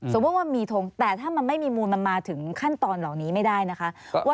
ว่ามีทงแต่ถ้ามันไม่มีมูลมันมาถึงขั้นตอนเหล่านี้ไม่ได้นะคะ